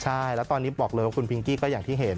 ใช่แล้วตอนนี้บอกเลยว่าคุณพิงกี้ก็อย่างที่เห็น